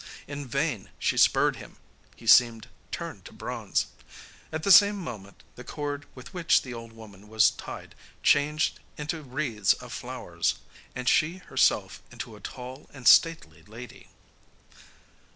In vain she spurred him, he seemed turned to bronze. At the same moment the cord with which the old woman was tied changed into wreaths of flowers, and she herself into a tall and stately lady.